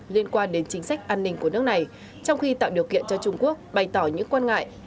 liên quan đến chính sách an ninh của nước này trong khi tạo điều kiện cho trung quốc bày tỏ những quan ngại